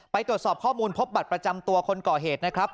ตรวจสอบข้อมูลพบบัตรประจำตัวคนก่อเหตุนะครับ